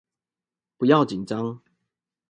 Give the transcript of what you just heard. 不要緊張